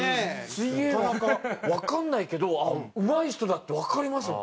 水泳わかんないけどうまい人だってわかりますもんね。